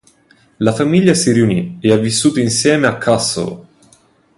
La famiglia si riunì e ha vissuto insieme a Kassel.